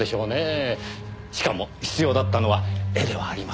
しかも必要だったのは絵ではありません。